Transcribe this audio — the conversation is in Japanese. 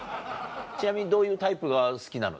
ちなみにどういうタイプが好きなの？